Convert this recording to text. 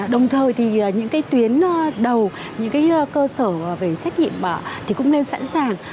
đồng thời thì những cái tuyến đầu những cái cơ sở về xét nghiệm thì cũng nên sẵn sàng